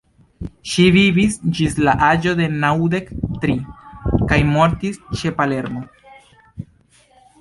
Ŝi vivis ĝis la aĝo de naŭdek tri, kaj mortis ĉe Palermo.